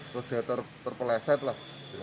terus dia terpeleset lah